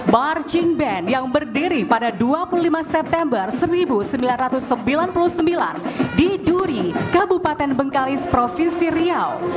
marching band yang berdiri pada dua puluh lima september seribu sembilan ratus sembilan puluh sembilan di duri kabupaten bengkalis provinsi riau